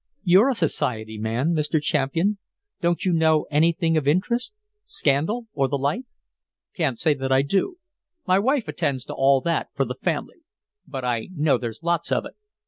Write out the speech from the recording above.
You're a society man, Mr. Champian. Don't you know anything of interest? Scandal or the like?" "Can't say that I do. My wife attends to all that for the family. But I know there's lots of it.